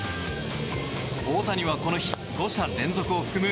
大谷はこの日５者連続を含む